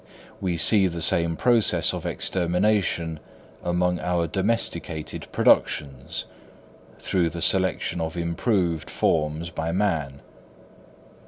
We see the same process of extermination among our domesticated productions, through the selection of improved forms by man.